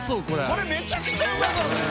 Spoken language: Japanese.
海めちゃくちゃうまそうだよ。